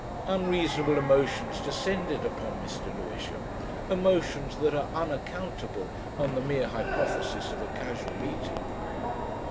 Unreasonable emotions descended upon Mr. Lewisham emotions that are unaccountable on the mere hypothesis of a casual meeting.